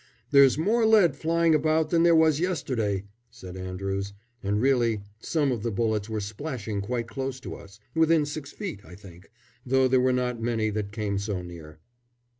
"There's more lead flying about than there was yesterday," said Andrews; and really some of the bullets were splashing quite close to us within six feet, I think, though there were not many that came so near.